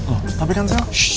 oh tapi kan sel